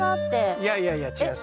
いやいやいや違います。